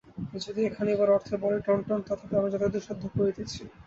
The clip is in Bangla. যদিও এখানে এবার অর্থের বড়ই অনটন, তথাপি আমার যতদূর সাধ্য করিতেছি।